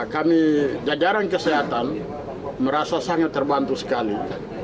kami jajaran kesehatan merasa sangat terbantu sekali